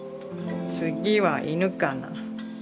次は犬かな。